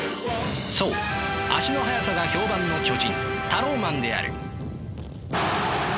そう足の速さが評判の巨人タローマンである。